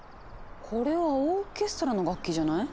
これはオーケストラの楽器じゃない？